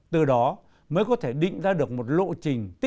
từ đó mới có thể định ra được một lộ trình